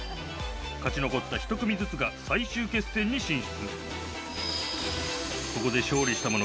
勝ち残った１組ずつが最終決戦に進出。